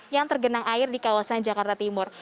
yang tergenang air di kawasan jakarta timur